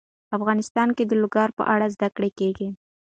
افغانستان کې د لوگر په اړه زده کړه کېږي.